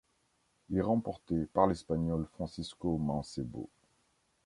Il est remporté par l'Espagnol Francisco Mancebo.